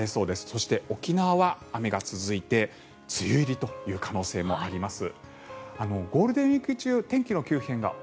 そして沖縄は雨が続いて梅雨入りという可能性もあります。